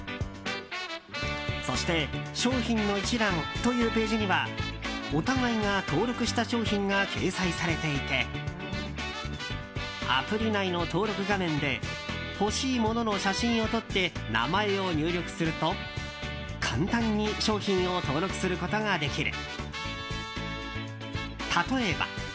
そして商品の一覧というページにはお互いが登録した商品が掲載されていてアプリ内の登録画面で欲しいものの写真を撮って名前を入力すると簡単に商品を登録することができる。